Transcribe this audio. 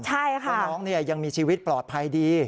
ใช่ค่ะเพราะน้องเนี่ยยังมีชีวิตปลอดภัยดี